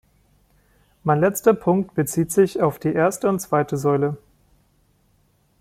Mein letzter Punkt bezieht sich auf die erste und die zweite Säule.